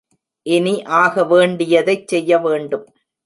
இனி ஆகவேண்டியதைச் செய்ய வேண்டும்.